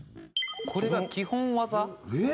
これが基本技？